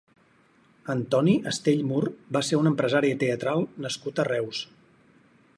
Antoni Astell Mur va ser un empresari teatral nascut a Reus.